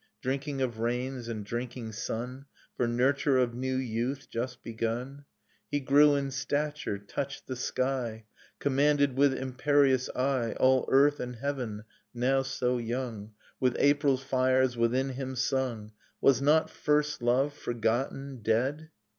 Drinking of rains and drinking sun For nurture of new youth just begun ? He grew in stature, touched the sky; Commanded, with imperious eye. All earth and heaven, now so young [ii8] Dust in Starlight With April's fires within him sung ... Was not first love forgotten, dead?